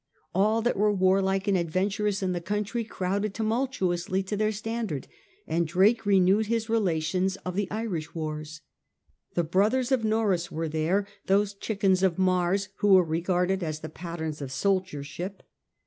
All that was warlike and adventurous in the country crowded tumultuously to their standard, and Drake renewed his relations of the Irish wars. The brothers of Norreys were there, those Chickens of Mars who were regarded as the patterns of soldiership.